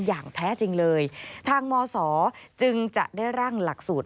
อย่างแท้จริงเลยทางมศจึงจะได้ร่างหลักสูตร